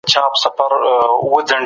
نړيواله ټولنه بايد د سولي لپاره هڅي وکړي.